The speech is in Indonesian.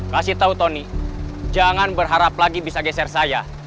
kasih tau tony jangan berharap lagi bisa geser saya